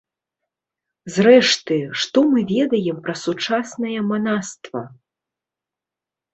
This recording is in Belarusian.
Зрэшты, што мы ведаем пра сучаснае манаства?